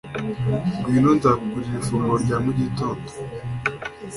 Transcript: Ngwino nzakugurira ifunguro rya mu gitondo